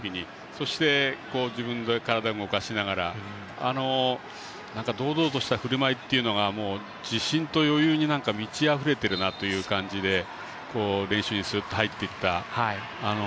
そして、体を動かしながら堂々とした振る舞いというのが自信と余裕に満ちあふれているなという感じに練習に、すっと入っていった。